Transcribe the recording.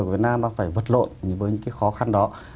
của việt nam đang phải vật lộn với những cái khó khăn đó